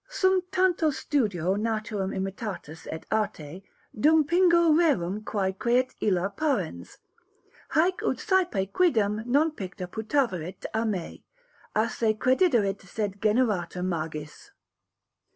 SUM TANTO STUDIO NATURAM IMITATUS ET ARTE DUM PINGO RERUM QUÆ CREAT ILLA PARENS; HÆC UT SÆPE QUIDEM NON PICTA PUTAVERIT A ME, A SE CREDIDERIT SED GENERATA MAGIS.